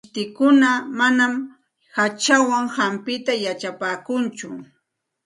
Mishtikuna manam hachawan hampita yachapaakunchu.